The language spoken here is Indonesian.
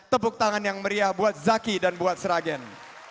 tepuk tangan yang meriah buat zaki dan buat sragen